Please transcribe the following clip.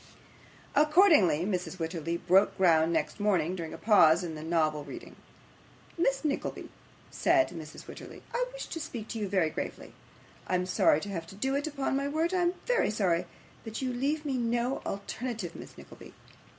Accordingly Mrs. Wititterly broke ground next morning, during a pause in the novel reading. 'Miss Nickleby,' said Mrs. Wititterly, 'I wish to speak to you very gravely. I am sorry to have to do it, upon my word I am very sorry, but you leave me no alternative, Miss Nickleby.